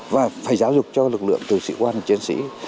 và phải giáo dục cho lực lượng từ sĩ quan chiến sĩ